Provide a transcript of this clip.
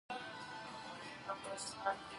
په برخه کي د ټولنیزو اړتیاوو او انساني انصاف